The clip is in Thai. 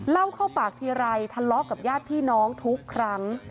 เล่าเข้าปากทีไรทะเลาะกับญาติพี่น้องทุกครั้ง